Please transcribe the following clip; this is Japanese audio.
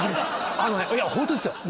あのねいやホントですよ